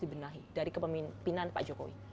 dibenahi dari kepemimpinan pak jokowi